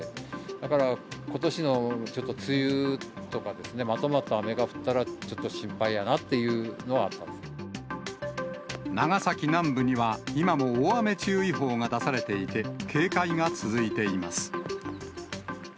だから、ことしのちょっと梅雨とかですね、まとまった雨が降ったら、ちょっ長崎南部には、今も大雨注意報が出されていて、警戒が続いています。